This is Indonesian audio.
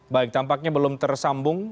baik tampaknya belum tersambung